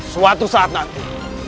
suatu saat nanti